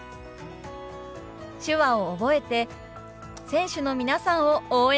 手話を覚えて選手の皆さんを応援しましょう！